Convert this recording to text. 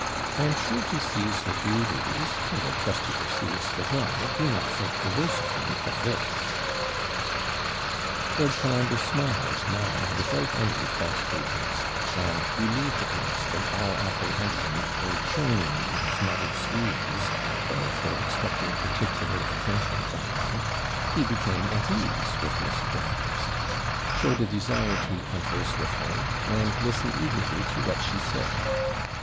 I am sure he sees that you, ladies, and I trust he perceives that I, do not think the worse of him for this.' Lord Colambre smiled now without any false pretence; and, relieved at once from all apprehension of her joining in his mother's views, or of her expecting particular attention from him, he became at ease with Miss Broadhurst, shelved a desire to converse with her, and listened eagerly to what she said.